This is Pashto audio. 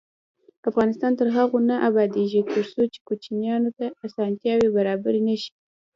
افغانستان تر هغو نه ابادیږي، ترڅو کوچیانو ته اسانتیاوې برابرې نشي.